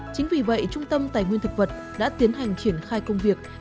chính vì vậy trung tâm tài nguyên thực vật đã tiến hành triển khai công việc